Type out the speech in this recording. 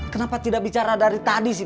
kenapa tidak bicara dari tadi sih